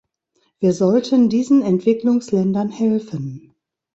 Wir sollten diesen Entwicklungsländern helfen.